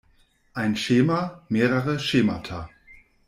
Ein Schema, mehrere Schemata.